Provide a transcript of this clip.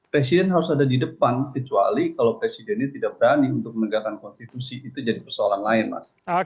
presiden harus ada di depan kecuali kalau presidennya tidak berani untuk menegakkan konstitusi itu jadi persoalan lain mas